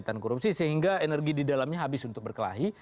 pemberantasan korupsi sehingga energi di dalamnya habis untuk berkelahi